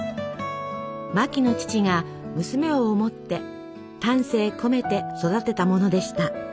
マキの父が娘を思って丹精込めて育てたものでした。